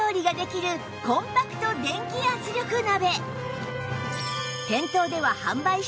コンパクト電気圧力鍋